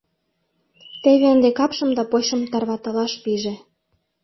Теве ынде капшым да почшым тарватылаш пиже.